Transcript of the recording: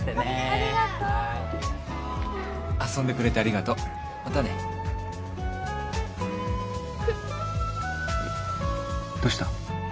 ありがとう遊んでくれてありがとうまたねどうした？